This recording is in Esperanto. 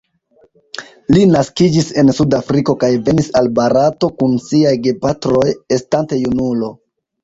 Li naskiĝis en Sudafriko kaj venis al Barato kun siaj gepatroj estante junulo.